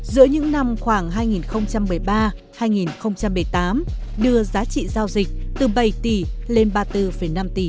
giữa những năm khoảng hai nghìn một mươi ba hai nghìn một mươi tám đưa giá trị giao dịch từ bảy tỷ lên ba mươi bốn năm tỷ usd